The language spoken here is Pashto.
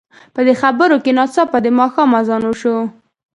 په دې خبرو کې ناڅاپه د ماښام اذان وشو.